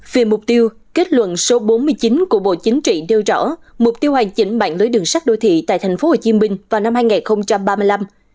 về mục tiêu kết luận số bốn mươi chín của bộ chính trị đeo rõ mục tiêu hoàn chỉnh mạng lưới đường sắt đô thị tại tp hcm vào năm hai nghìn ba mươi năm